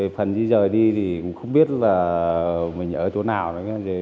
phần di rời đi thì cũng không biết là mình ở chỗ nào đấy